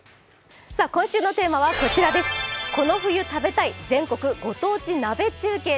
今週のテーマはこちら、この冬食べたい全国ご当地鍋中継。